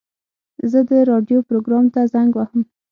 زه د راډیو پروګرام ته زنګ وهم.